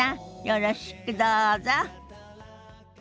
よろしくどうぞ。